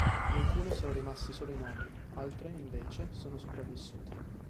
Di alcune sono rimasti solo i nomi; altre, invece, sono sopravvissute.